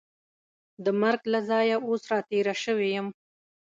د مرګ له ځایه اوس را تېره شوې یم.